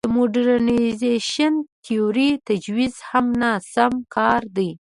د موډرنیزېشن تیورۍ تجویز هم ناسم کار دی.